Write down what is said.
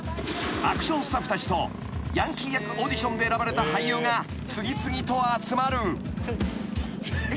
［アクションスタッフたちとヤンキー役オーディションで選ばれた俳優が次々と集まる］